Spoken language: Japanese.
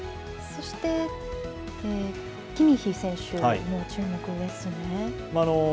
そしてキミッヒ選手も注目ですね。